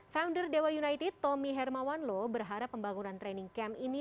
founder dewa united tommy hermawanlo berharap pembangunan training camp ini